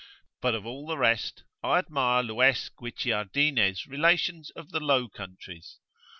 But of all the rest, I admire Lues Guicciardine's relations of the Low Countries.